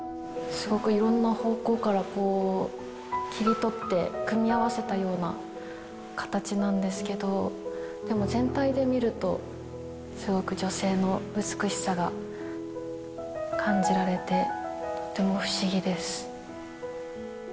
すごくいろんな方向から切り取って組み合わせたような形なんですけど、でも、全体で見るとすごく女性の美しさが感じられて、とても不思議です。